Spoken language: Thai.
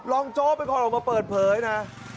ลองโจ๊กไปขอลงมาเปิดเผยนะ